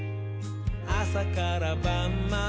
あさからばんまで」